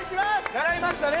習いましたね？